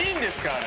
あれ。